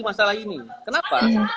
masalah ini kenapa